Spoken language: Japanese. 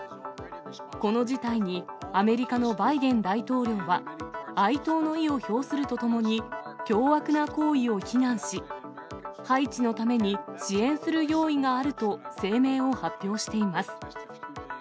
この事態に、アメリカのバイデン大統領は哀悼の意を表するとともに、凶悪な行為を非難し、ハイチのために、支援する用意があると声明を発表しています。